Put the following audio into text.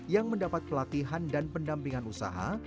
yang mendapat pelatihan dan pendampingan usaha